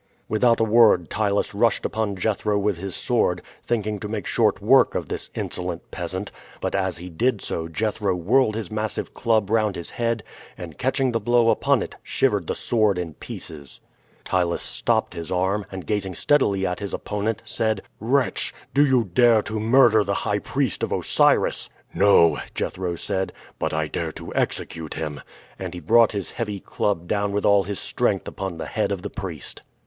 Without a word Ptylus rushed upon Jethro with his sword, thinking to make short work of this insolent peasant; but as he did so, Jethro whirled his massive club round his head, and catching the blow upon it, shivered the sword in pieces. Ptylus stopped his arm, and, gazing steadily at his opponent, said: "Wretch, do you dare to murder the high priest of Osiris?" "No," Jethro said, "but I dare to execute him," and he brought his heavy club down with all his strength upon the head of the priest.